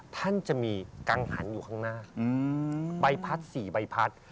ท่านจะมีกังหันอยู่ข้างหน้าใบพัด๔ใบพัด